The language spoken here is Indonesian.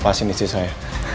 pasien disini saya